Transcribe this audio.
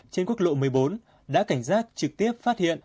trên quốc lộ một mươi bốn đã cảnh giác trực tiếp phát hiện